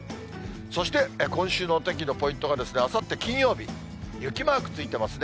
そして、今週のお天気のポイントが、あさって金曜日、雪マークついてますね。